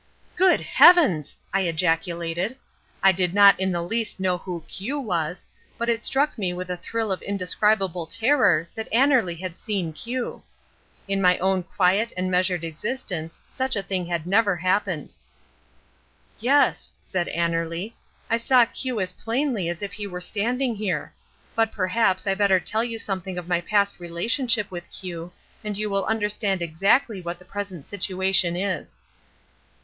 "Good heavens!" I ejaculated. I did not in the least know who Q was, but it struck me with a thrill of indescribable terror that Annerly had seen Q. In my own quiet and measured existence such a thing had never happened. "Yes," said Annerly, "I saw Q as plainly as if he were standing here. But perhaps I had better tell you something of my past relationship with Q, and you will understand exactly what the present situation is."